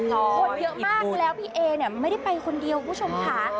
คนเยอะมากแล้วพี่เอเนี่ยไม่ได้ไปคนเดียวคุณผู้ชมค่ะ